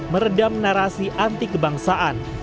meredam narasi anti kebangsaan